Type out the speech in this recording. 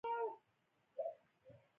مچمچۍ د خوږو ګلونو پر لور ځي